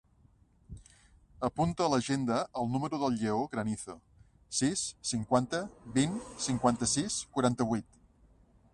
Apunta a l'agenda el número del Lleó Granizo: sis, cinquanta, vint, cinquanta-sis, quaranta-vuit.